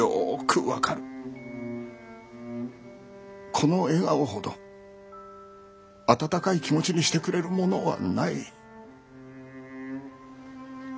子の笑顔ほど温かい気持ちにしてくれるものはない。